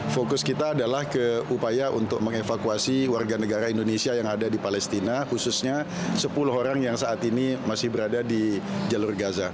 fokus kita adalah ke upaya untuk mengevakuasi warga negara indonesia yang ada di palestina khususnya sepuluh orang yang saat ini masih berada di jalur gaza